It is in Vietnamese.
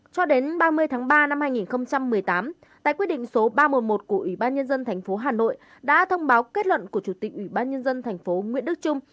cho đến ba mươi tháng ba năm hai nghìn một mươi tám tại quyết định số ba trăm một mươi một của ủy ban nhân dân tp hà nội đã thông báo kết luận của chủ tịch ủy ban nhân dân tp nguyễn đức trung